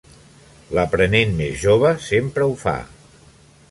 L'aprenent més jove sempre ho fa.